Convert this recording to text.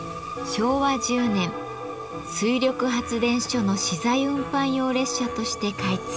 昭和１０年水力発電所の資材運搬用列車として開通。